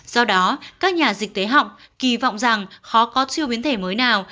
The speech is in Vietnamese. do đó các nhà dịch tế họng kỳ vọng rằng khó có chưa biến thể mới nào